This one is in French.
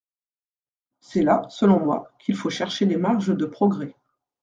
C’est là, selon moi, qu’il faut chercher les marges de progrès.